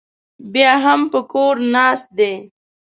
بیا هم په کور ناست دی.